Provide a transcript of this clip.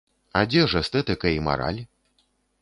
А дзе ж эстэтыка і мараль?